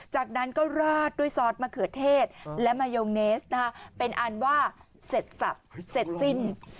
จากนั้นก็ราดด้วยซอสมะเขือเทศและมายงเนสเป็นอันว่าเสร็จสับเสร็จสิ้น